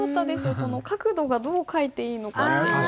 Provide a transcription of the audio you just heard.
この角度がどう書いていいのか。